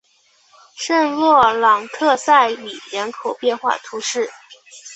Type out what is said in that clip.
圣洛朗德塞里人口变化图示